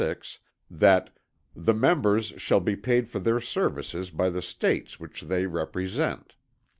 6) that "the members shall be paid for their services by the States which they represent."